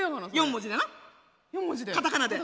４文字で。